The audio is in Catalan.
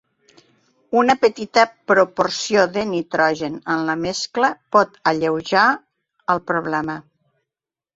Una petita proporció de nitrogen en la mescla pot alleujar el problema.